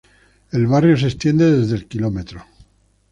El barrio se extiende desde el km.